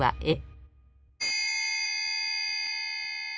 えっ？